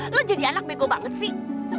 lo jadi anak bego banget sih